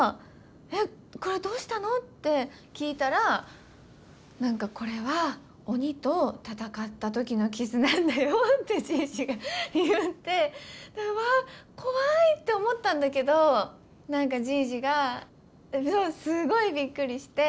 えっこれどうしたの？って聞いたら何かこれは鬼と戦った時の傷なんだよってじいじが言ってうわ怖いって思ったんだけど何かじいじがそうすごいびっくりして。